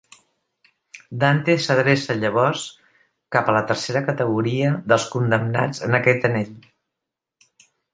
Dante s'adreça llavors cap a la tercera categoria dels condemnats en aquest anell.